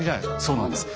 そうなんです。